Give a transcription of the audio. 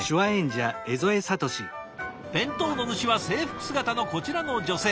弁当の主は制服姿のこちらの女性。